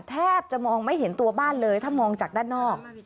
แทบจะมองไม่เห็นตัวบ้านเลยถ้ามองจากด้านนอก